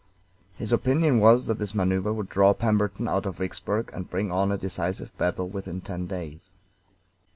His opinion was that this maneuver would draw Pemberton out of Vicksburg and bring on a decisive battle within ten days.